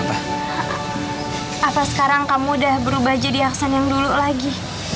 saya telfon kamu lagi sani